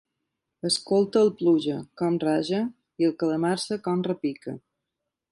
Escolta el Pluja, com raja; i el Calamarsa, com repica.